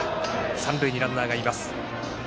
三塁にランナーがいます。